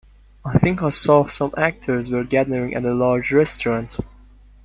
I think I saw some actors were gathering at a large restaurant.